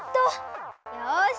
よし！